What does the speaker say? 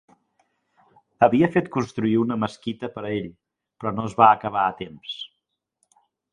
Havia fet construir una mesquita per a ell però no es va acabar a temps.